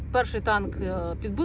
dia mencari tank pertama menembak